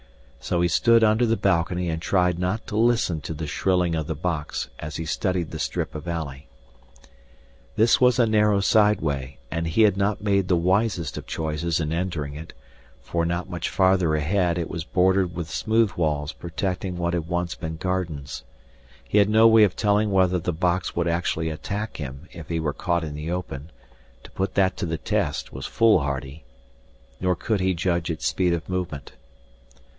So he stood under the balcony and tried not to listen to the shrilling of the box as he studied the strip of alley. This was a narrow side way, and he had not made the wisest of choices in entering it, for not much farther ahead it was bordered with smooth walls protecting what had once been gardens. He had no way of telling whether the box would actually attack him if he were caught in the open to put that to the test was foolhardy nor could he judge its speed of movement.